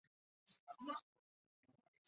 曾任澳大利亚卧龙岗大学荣誉研究员。